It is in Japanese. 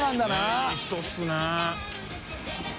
佑いい人ですね。